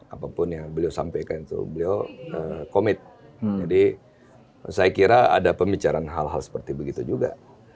apapun yang beliau sampaikan itu beliau komit jadi saya kira ada pembicaraan hal hal seperti begitu juga